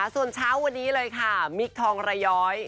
ส่วนเช้าวันนี้เลยค่ะมิคทองระย้อย